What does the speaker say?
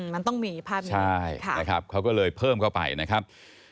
มันต้องมีภาพนี้ใช่นะครับเขาก็เลยเพิ่มเข้าไปนะครับ